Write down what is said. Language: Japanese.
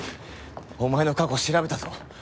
お前の過去調べたぞ。